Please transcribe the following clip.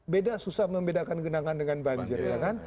beda susah membedakan genangan dengan banjir ya kan